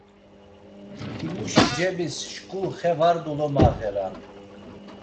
Himuşi cebis şk̆u xe var dolomağeran.